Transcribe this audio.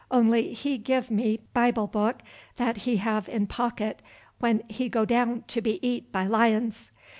Only he give me Bible book that he have in pocket when he go down to be eat by lions."